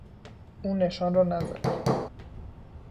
او نشان را نزد.